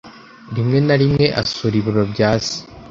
rimwe na rimwe asura ibiro bya se.